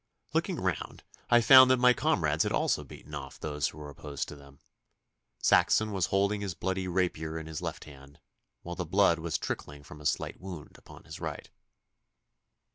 Looking round I found that my comrades had also beaten off those who were opposed to them. Saxon was holding his bloody rapier in his left hand, while the blood was trickling from a slight wound upon his right.